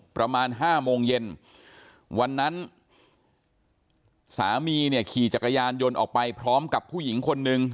ประมาณห้าโมงเย็นวันนั้นสามีเนี่ยขี่จักรยานยนต์ออกไปพร้อมกับผู้หญิงคนนึง